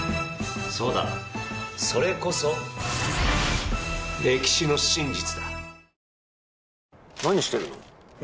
そうだそれこそ歴史の真実だ。